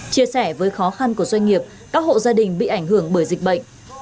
chia sẻ với khó khăn của doanh nghiệp các hộ gia đình bị ảnh hưởng bởi dịch bệnh